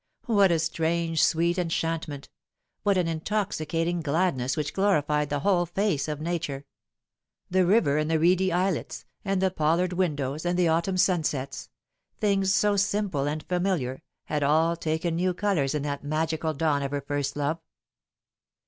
What a strange sweet enchant ment, what an intoxicating gladness which glorified the whole face of nature ! The river and the reedy islets, and the pollard willows, and the autumn sunsets things so simple and familiar had all taken new colours in that magical dawn of her first love.